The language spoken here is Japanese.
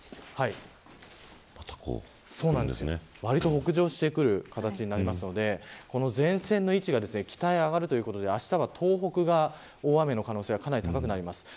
北上してくる形になるので前線の位置が北へ上がるということであしたは東北が大雨の可能性が高くなります。